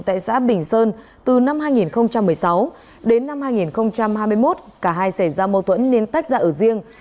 tại xã bình sơn từ năm hai nghìn một mươi sáu đến năm hai nghìn hai mươi một cả hai xảy ra mâu thuẫn nên tách ra ở riêng